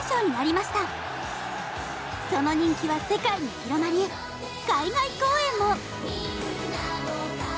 その人気は世界に広まり海外公演も！